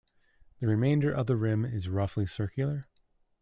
The remainder of the rim is roughly circular.